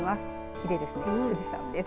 きれいですね、富士山です。